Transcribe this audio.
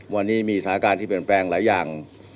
วันนี้มีสถานการณ์ที่เปลี่ยนแปลงหลายอย่าง